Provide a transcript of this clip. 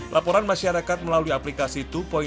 laporan masyarakat melalui aplikasi dua